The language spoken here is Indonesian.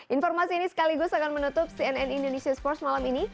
informasi ini sekaligus akan menutup cnn indonesia sports malam ini